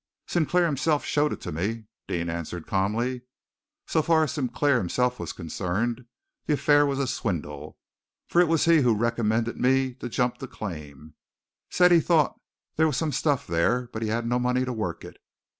"Sinclair himself showed it to me," Deane answered calmly. "So far as Sinclair himself was concerned the affair was a swindle, for it was he who recommended me to jump the claim said he thought that there was some stuff there, but he had no money to work it.